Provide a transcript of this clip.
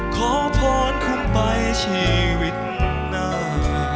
ขอพรคุณไปชีวิตหน้า